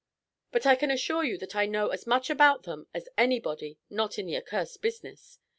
But I can assure you that I know as much about them as anybody not in the accursed business.